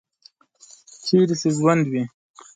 چیرته چې ژوند وي